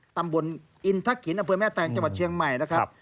ตำบลอินทะขินอำเภอแม่แตงจังหวัดเชียงใหม่นะครับ